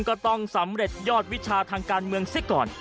ก็ต้องสำเร็จยอดวิชาทางการเมืองซิก่อน